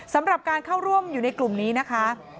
สำหรับการเข้าร่วมอยู่ในกลุ่มนี้นะคะ